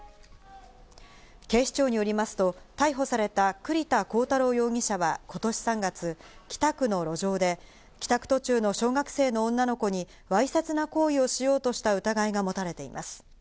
警視庁によりますと逮捕された栗田浩太郎容疑者は今年３月、北区の路上で帰宅途中の小学生の女の子にわいせつな行為をしようとした疑いが持たれています。